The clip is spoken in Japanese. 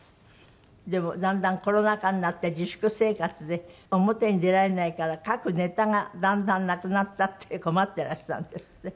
でもだんだんコロナ禍になって自粛生活で表に出られないから書くネタがだんだんなくなったって困っていらしたんですって？